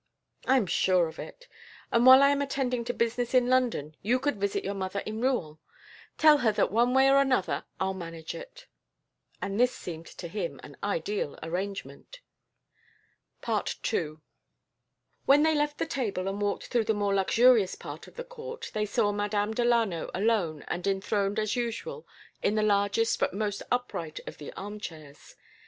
"I am sure of it. And while I am attending to business in London you could visit your mother in Rouen. Tell her that one way or another I'll manage it." And this seemed to him an ideal arrangement! II When they left the table and walked through the more luxurious part of the court, they saw Madame Delano alone and enthroned as usual in the largest but most upright of the armchairs.